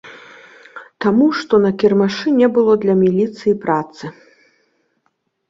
Таму, што на кірмашы не было для міліцыі працы!